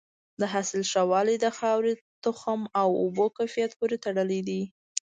د حاصل ښه والی د خاورې، تخم او اوبو کیفیت پورې تړلی دی.